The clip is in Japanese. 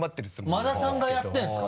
馬田さんがやってるんですか？